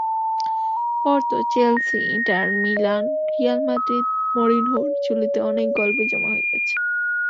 Porto, Chelsea, Inter Milan, Real মাদ্রিদ—মরিনহোর ঝুলিতে অনেক গল্পই জমা হয়ে গেছে।